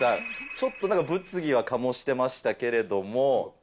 ちょっとなんか物議は醸してましたけれども。